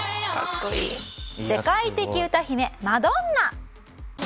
世界的歌姫マドンナ。